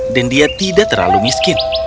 dan dia tidak terlalu miskin